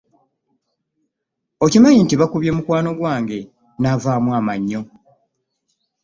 Okimanyi nti baakubye mikwano gwange naavaamu amanyo.